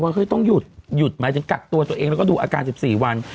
เพราะจะต้องหยุดหยุดมาจนกัดตัวตัวเองแล้วก็ดูอาการ๑๔วัน